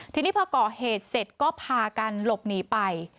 ทีนี้พอก่อเหตุเสร็จก็พากันหลบหนีไป